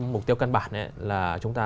mục tiêu căn bản là chúng ta